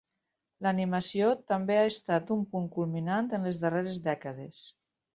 L'animació també ha estat un punt culminant en les darreres dècades.